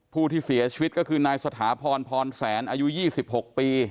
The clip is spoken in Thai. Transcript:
ผู้ที่เสียชีวิตก็คือนายสถาพรพรแสนอายุ๒๖ปี